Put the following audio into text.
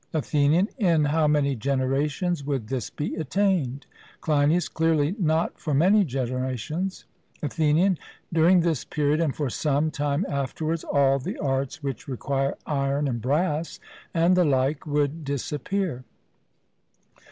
ATHENIAN: In how many generations would this be attained? CLEINIAS: Clearly, not for many generations. ATHENIAN: During this period, and for some time afterwards, all the arts which require iron and brass and the like would disappear.